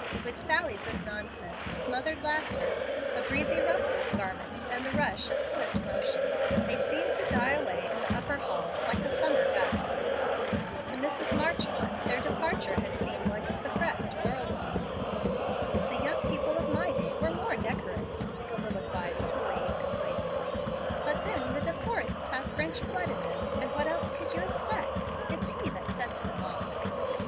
With sallies of nonsense, smothered laughter, a breezy rustle of garments, and the rush of swift motion, they seemed to die away in the upper halls like a summer gust. To Mrs. Marchmont their departure had seemed like a suppressed whirlwind. "The young people of my day were more decorous," soliloquized the lady, complacently. "But then the De Forrests have French blood in them, and what else could you expect? It's he that sets them off."